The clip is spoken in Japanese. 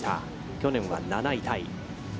去年は７位タイ。